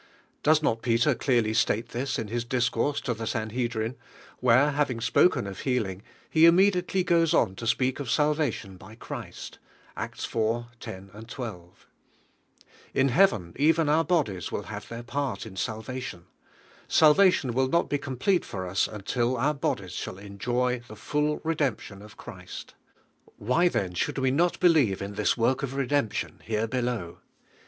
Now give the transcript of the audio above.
Does inn Pe ler clearly stale this in his discourse to the SanlH'iii'iiii where, having spoken of healing, lie immediately itiies on to speak of salvation by Christ (Acts iv. 10, 12): In heaven even our bodies will have their part in salvation; salvati on will not be complete for us until our bodies shall en joy Ihe full redemption of Christ. Why I'hiui should ivc noil beljeve in this work of redemption here below?